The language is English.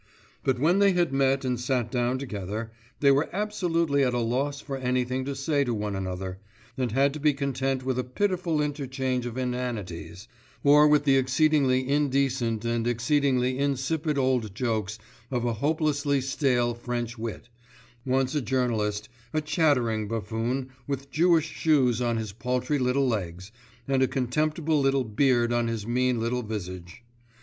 But when they had met and sat down together, they were absolutely at a loss for anything to say to one another, and had to be content with a pitiful interchange of inanities, or with the exceedingly indecent and exceedingly insipid old jokes of a hopelessly stale French wit, once a journalist, a chattering buffoon with Jewish shoes on his paltry little legs, and a contemptible little beard on his mean little visage.